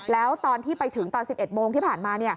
แล้วตอนที่ไปถึงตอน๑๑โมงที่ผ่านมา